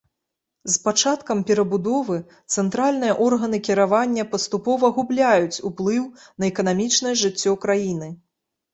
З пачаткам перабудовы цэнтральныя органы кіравання паступова губляюць уплыў на эканамічнае жыццё краіны.